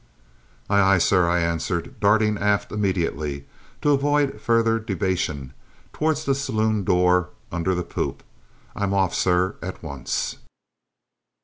"Aye, aye, sir!" I answered, darting aft immediately, to avoid further debation, towards the saloon door under the poop. "I'm off, sir, at once!"